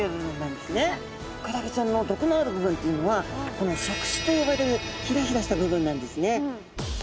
クラゲちゃんの毒のある部分というのはこの触手と呼ばれるヒラヒラした部分なんですね。